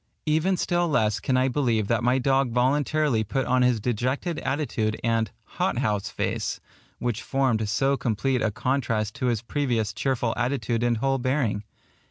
Even still less can I believe that my dog voluntarily put on his dejected attitude and "hot house face," which formed so complete a contrast to his previous cheerful attitude and whole bearing.